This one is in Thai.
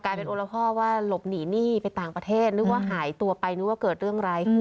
กลายเป็นโอรพ่อว่าหลบหนีหนี้ไปต่างประเทศหรือว่าหายตัวไปหรือว่าเกิดเรื่องไร